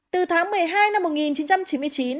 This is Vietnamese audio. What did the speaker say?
từ tháng một mươi hai năm một nghìn chín trăm chín mươi chín